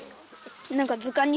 何か。